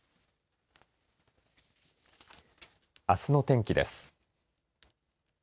あすの天気です。